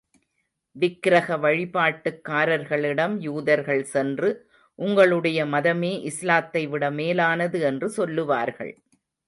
விக்கிரக வழிபாட்டுக்காரர்களிடம் யூதர்கள் சென்று உங்களுடைய மதமே இஸ்லாத்தைவிட மேலானது என்று சொல்லுவார்கள்.